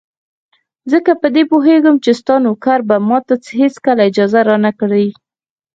ځکه په دې پوهېدم چې ستا نوکر به ماته هېڅکله اجازه را نه کړي.